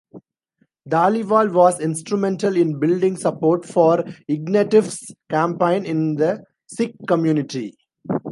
Dhaliwal was instrumental in building support for Ignatieff's campaign in the Sikh community.